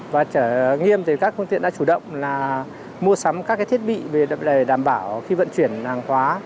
và nghiêm thì các phương tiện đã chủ động là mua sắm các thiết bị để đảm bảo khi vận chuyển hàng hóa